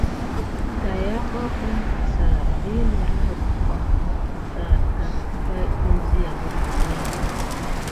Tayamaou umpa sa vi nerahək guluk moggota tat əvay əŋzia moggoni.